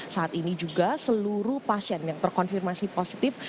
saat ini juga seluruh pasien yang terkonfirmasi positif